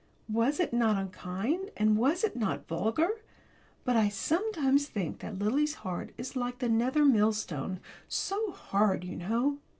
Was it not unkind? And was it not vulgar? But I sometimes think that Lily's heart is like the nether millstone so hard, you know.